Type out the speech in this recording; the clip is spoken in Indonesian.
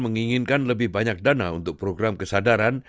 menginginkan lebih banyak dana untuk program kesadaran